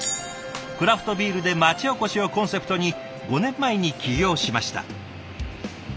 クラフトビールで町おこしをコンセプトに５年前に起業しました。